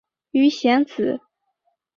鱼显子